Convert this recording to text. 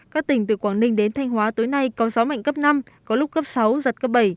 các tỉnh từ quảng ninh đến thanh hóa tối nay có gió mạnh cấp năm có lúc cấp sáu giật cấp bảy